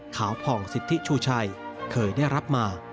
ผ่องสิทธิชูชัยเคยได้รับมา